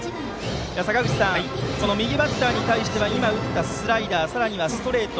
坂口さん、右バッターに対しては今打ったスライダーさらにはストレート。